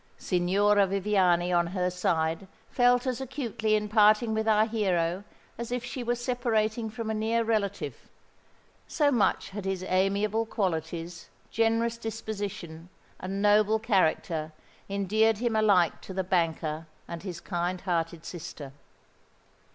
Signora Viviani, on her side, felt as acutely in parting with our hero as if she were separating from a near relative—so much had his amiable qualities, generous disposition, and noble character endeared him alike to the banker and his kind hearted sister.